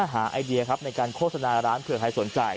ไอเดียครับในการโฆษณาร้านเผื่อใครสนใจ